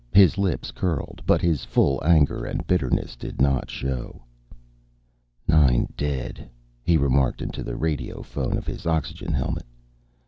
His lips curled. But his full anger and bitterness didn't show. "Nine dead," he remarked into the radio phone of his oxygen helmet.